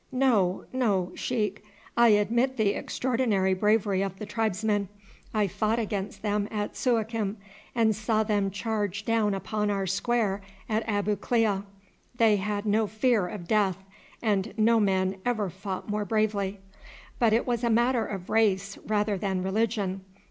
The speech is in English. No, no, sheik; I admit the extraordinary bravery of the tribesmen. I fought against them at Suakim and saw them charge down upon our square at Abu Klea. They had no fear of death, and no men ever fought more bravely. But it was a matter of race rather than religion.